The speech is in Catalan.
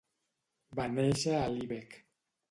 Va néixer a Lübeck.